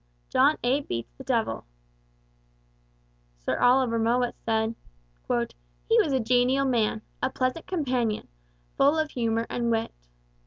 John A. beats the devil.' Sir Oliver Mowat said, 'He was a genial man, a pleasant companion, full of humour and wit.'